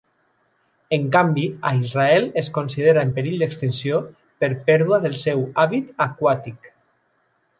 En canvi a Israel es considera en perill d'extinció per pèrdua del seu hàbit aquàtic.